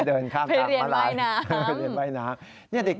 เดินข้ามทางม้าลายเพื่อเรียนใบน้ำ